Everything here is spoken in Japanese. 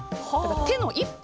手の一歩